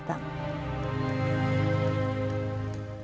dan yang akan datang